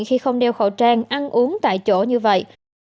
khi không đeo khẩu trang ăn uống tại chỗ như vậy